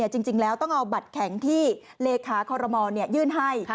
จริงแล้วต้องเอาบัตรแข็งที่เลขาคอรมอลยื่นให้